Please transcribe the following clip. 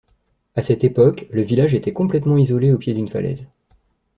À cette époque, le village était complètement isolé au pied d’une falaise.